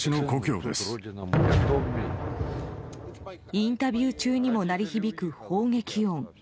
インタビュー中にも鳴り響く砲撃音。